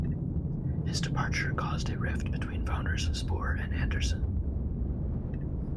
His departure caused a rift between founders Spoor and Anderson.